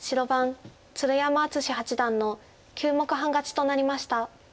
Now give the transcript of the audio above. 鶴山淳志八段の９目半勝ちとなりました。